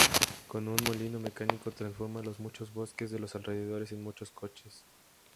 Con un molino mecánico transforma los muchos bosques de los alrededores en muchos coches.